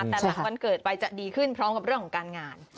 แต่หลังวันเกิดไปจะดีขึ้นพร้อมกับเรื่องของการงาน